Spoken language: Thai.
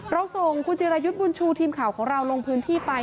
เราส่งคุณจิรายุทธ์บุญชูทีมข่าวของเราลงพื้นที่ไป